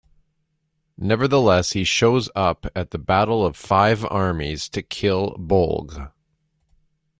Nevertheless, he still shows up at the Battle of Five Armies to kill Bolg.